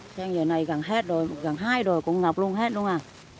xem giờ này gẳng hết rồi gẳng hai rồi cũng ngập luôn hết luôn à